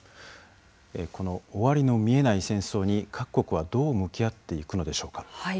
終わりの見えない戦争に各国はどう向き合っていくのでしょうか。